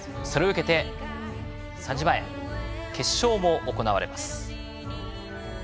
それを受けて、３時前決勝も行われます。